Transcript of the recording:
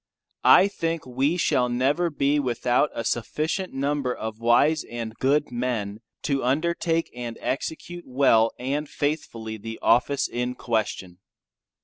I think we shall never be without a sufficient number of wise and good men to undertake and execute well and faithfully the office in question.